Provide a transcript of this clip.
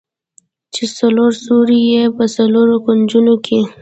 چې څلور سوري يې په څلورو کونجونو کښې.